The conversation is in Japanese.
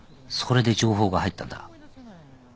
それで情報が入ったんだ。